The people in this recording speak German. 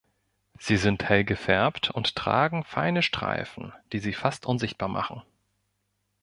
Sie sind hell gefärbt und tragen feine Streifen, die sie fast unsichtbar machen.